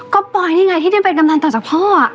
ก็ปอยนี่ไงที่ได้เป็นกำนันต่อจากพ่อ